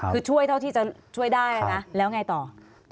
คือช่วยเท่าที่จะช่วยได้นะแล้วไงต่อ